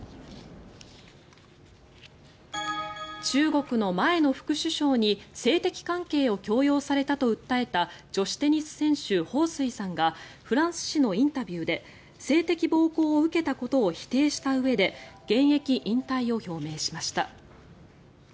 中国の前の副首相に性的関係を強要されたと訴えた女子テニス選手ホウ・スイさんがフランス紙のインタビューで性的暴行を受けたことを否定したうえで現役引退を表明しました。